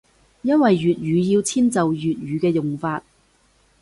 因為粵語要遷就粵語嘅用法